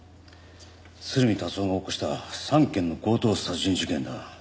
鶴見達男が起こした３件の強盗殺人事件だ。